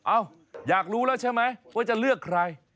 อยากรู้แล้วใช่ไหมว่าจะเลือกใคร